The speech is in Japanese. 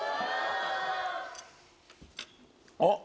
あっ。